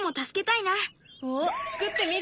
おっ作ってみる？